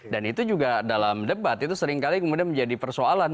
dan itu juga dalam debat itu seringkali kemudian menjadi persoalan